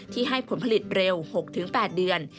ให้ผลผลิตเร็ว๖๘เดือน